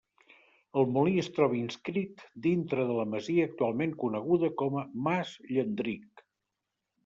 El molí es troba inscrit dintre de la masia actualment coneguda com a Mas Llandric.